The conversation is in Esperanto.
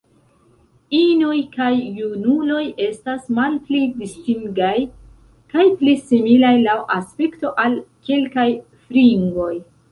Inoj kaj junuloj estas malpli distingaj, kaj pli similaj laŭ aspekto al kelkaj fringoj.